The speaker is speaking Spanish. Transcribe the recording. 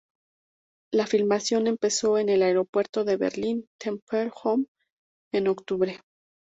La filmación empezó en el Aeropuerto de Berlín-Tempelhof en octubre.